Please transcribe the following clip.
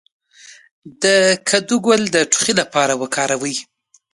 د کدو ګل د ټوخي لپاره وکاروئ